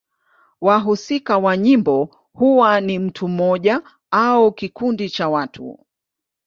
Wahusika wa nyimbo huwa ni mtu mmoja au kikundi cha watu.